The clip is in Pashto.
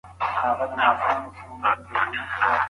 ځیني چلندونه د پاملرني د جلبولو لپاره وي.